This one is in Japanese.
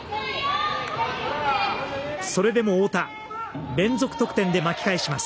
それでも太田連続得点で巻き返します。